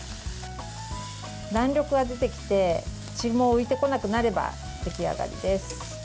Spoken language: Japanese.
弾力が出てきて血も浮いてこなくなれば出来上がりです。